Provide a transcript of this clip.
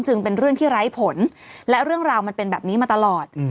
เป็นเรื่องที่ไร้ผลและเรื่องราวมันเป็นแบบนี้มาตลอด